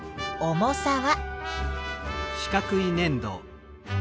重さは？